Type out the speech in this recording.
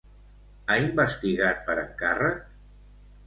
Ha investigat per encàrrec?